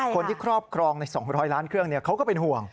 ครอบครองใน๒๐๐ล้านเครื่องเขาก็เป็นห่วง